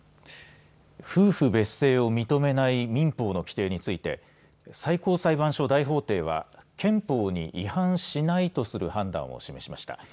夫婦別姓を認めない民法の規定について最高裁判所大法廷は憲法に違反しないとする判断を示しました。